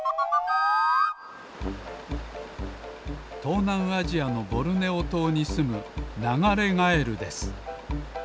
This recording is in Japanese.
とうなんアジアのボルネオとうにすむナガレガエルです。